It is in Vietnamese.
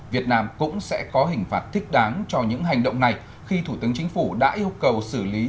việt nam cũng sẽ có hình phạt thích đáng cho những hành động này khi thủ tướng chính phủ đã yêu cầu xử lý